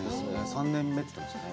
３年目って言ってましたね。